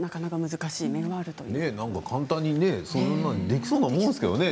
簡単にできそうなもんですけどね